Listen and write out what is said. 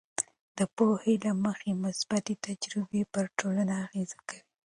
د پوهې له مخې، مثبتې تجربې پر ټولنې اغیز کوي.